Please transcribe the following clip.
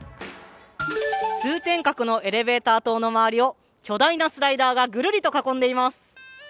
通天閣のエレベーター塔の周りを巨大なスライダーがぐるりと囲んでいます。